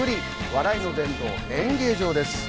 笑いの殿堂、演芸場です。